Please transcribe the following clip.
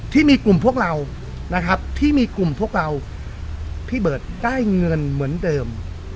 ที่มีกลุ่มพวกเรานะครับที่มีกลุ่มพวกเราพี่เบิร์ตได้เงินเหมือนเดิม